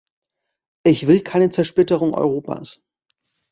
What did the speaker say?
Ich will keine Zersplitterung Europas.